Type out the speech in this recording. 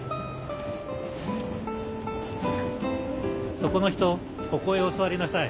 そこの人ここへお座りなさい。